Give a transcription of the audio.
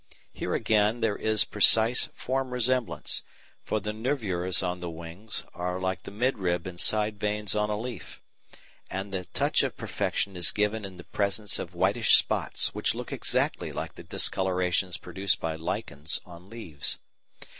Here, again, there is precise form resemblance, for the nervures on the wings are like the mid rib and side veins on a leaf, and the touch of perfection is given in the presence of whitish spots which look exactly like the discolorations produced by lichens on leaves.